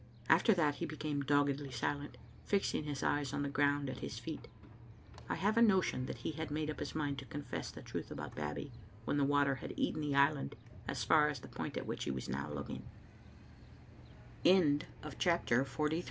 After that he became doggedly silent, fixing his eyes on the ground at his feet. I have a notion that he had made up his mind to confess the truth about Babbie when the water had eaten the island as far as the point at which he wa